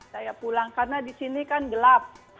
saya pulang karena disini kan gelap